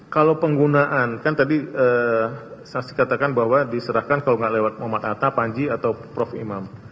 kalau penggunaan kan tadi saksi katakan bahwa diserahkan kalau nggak lewat muhammad atta panji atau prof imam